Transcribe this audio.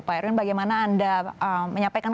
pak erwin bagaimana anda menyampaikan